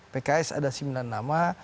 pks ada sembilan nama